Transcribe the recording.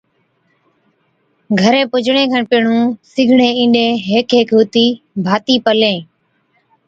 گھرين پُجڻي کن پيهڻُون سِگڙين اِينڏين هيڪ هيڪ هُتِي ڀاتِي پلين۔